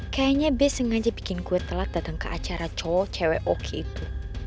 kayaknya be sengaja bikin gue telat datang ke acara cowok cewek oke itu